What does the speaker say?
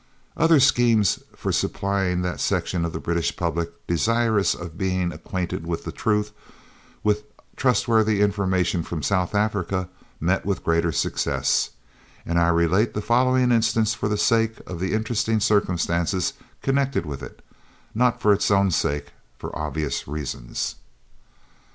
Other schemes for supplying that section of the British public, desirous of being acquainted with the truth, with trustworthy information from South Africa, met with greater success, and I relate the following instance for the sake of the interesting circumstances connected with it, not for its own sake, for obvious reasons.